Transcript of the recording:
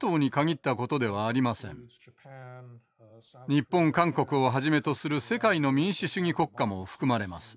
日本韓国をはじめとする世界の民主主義国家も含まれます。